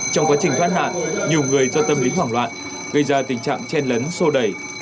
trong quá trình thoát nạn nhiều người do tâm lý hoảng loạn gây ra tình trạng chen lấn sô đẩy